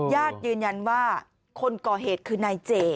ญาติยืนยันว่าคนก่อเหตุคือนายเจ